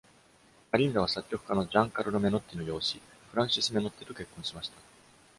マリンダは作曲家のジャン＝カルロ・メノッティの養子、フランシス・メノッティと結婚しました。